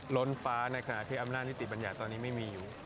ล้นฟ้าในขณะที่อำนาจนิติบัญญัติตอนนี้ไม่มีอยู่